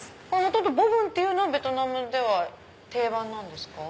ボブンっていうのはベトナムでは定番なんですか？